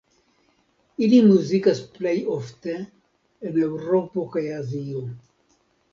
Ili muzikas plej ofte en Eŭropo kaj Azio.